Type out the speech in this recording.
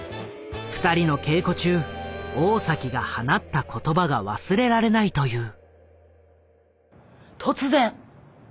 二人の稽古中大が放った言葉が忘れられないという。